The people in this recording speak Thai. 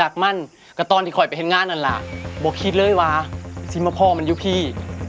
มันก็ตอนที่คอยไปเห็นงานนั่นแหละบอกคิดเลยว่าสิว่าพ่อมันอยู่พี่